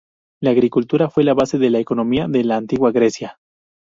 La agricultura fue la base de la economía de la Antigua Grecia.